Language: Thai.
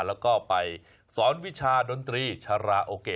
แล้วก็ไปสอนวิชาดนตรีชาราโอเกะ